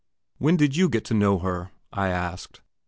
"When did you get to know her?" I asked.